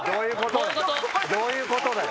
どういうことだよ？